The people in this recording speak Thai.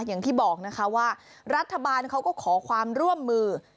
อย่างที่บอกนะคะว่ารัฐบาลเขาก็ขอความร่วมมือ